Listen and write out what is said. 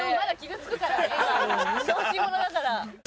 小心者だから。